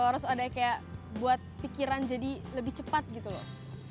terus ada kayak buat pikiran jadi lebih cepat gitu loh